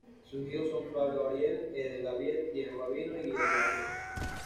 Sus hijos son: Flavio Ariel, Eder Gabriel, Diego Gabino y Guillermo Daniel.